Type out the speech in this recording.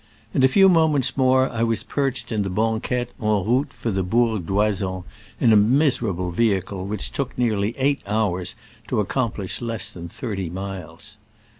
In a few moments more I was perched in the banquette en route for Bourg d'Oysans, in a miserable vehicle which took nearly eight hours to ac complish less than thirty miles.